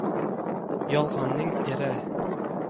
…yolgʻonning eri…